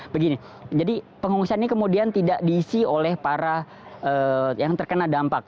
begini jadi pengungsian ini kemudian tidak diisi oleh para yang terkena dampak